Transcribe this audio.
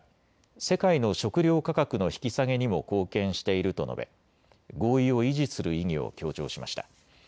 世界の食料価格の引き下げにも貢献していると述べ、合意を維持する意義を強調しました。